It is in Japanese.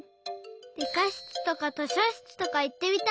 りかしつとかとしょしつとかいってみたいな。